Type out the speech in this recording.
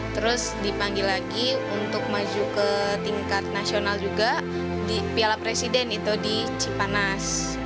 terus dipanggil lagi untuk maju ke tingkat nasional juga di piala presiden itu di cipanas